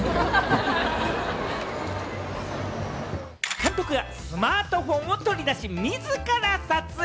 監督がスマートフォンを取り出し、自ら撮影！